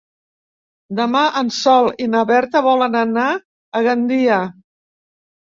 Demà en Sol i na Berta volen anar a Gandia.